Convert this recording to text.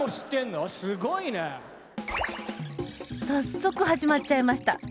だって早速始まっちゃいました。